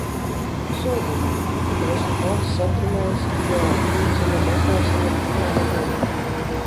Sūdīgi! Mēslu kaudze satrunējusi, ideāla trūdzeme mazdārziņam, jānudien.